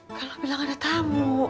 kalau bilang ada tamu